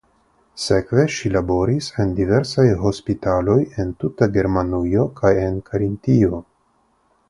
Sekve ŝi laboris en diversaj hospitaloj en tuta Germanujo kaj en Karintio.